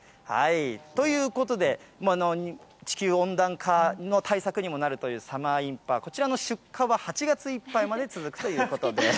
ということで、地球温暖化の対策にもなるというサマーインパ、こちらの出荷は８月いっぱいまで続くということです。